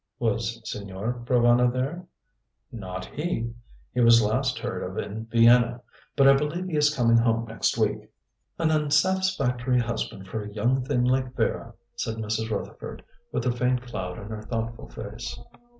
"Was Signor Provana there?" "Not he. He was last heard of in Vienna. But I believe he is coming home next week." "An unsatisfactory husband for a young thing like Vera," said Mrs. Rutherford, with a faint cloud on her thoughtful face.